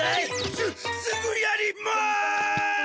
すすぐやります！